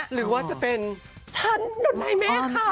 หรือว่าจะเป็นฉันโดนให้แม่ค่ะ